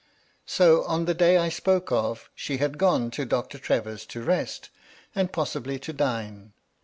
So, on the day I spoke of, she had gone to Doctor Trevor s to rest, and possibly to dine.